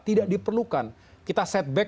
tidak diperlukan kita setback